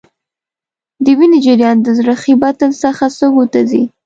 د وینې جریان د زړه ښي بطن څخه سږو ته ځي.